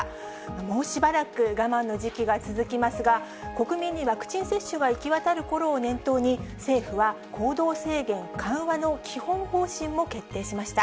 もうしばらく我慢の時期は続きますが、国民にワクチン接種が行き渡るころを念頭に、政府は行動制限緩和の基本方針も決定しました。